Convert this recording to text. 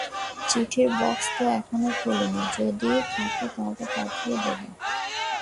চিঠির বাক্স তো এখনো খুলি নি, যদি থাকে তোমাকে পাঠিয়ে দেব।